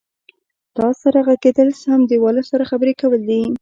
تا سره غږېدل سم دیواله سره خبرې کول دي.